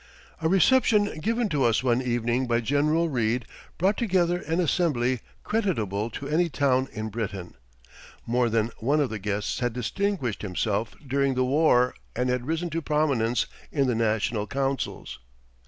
A reception given to us one evening by General Reid brought together an assembly creditable to any town in Britain. More than one of the guests had distinguished himself during the war and had risen to prominence in the national councils.